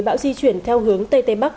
bão di chuyển theo hướng tây tây bắc